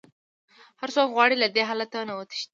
هر څوک غواړي له دې حالت نه وتښتي.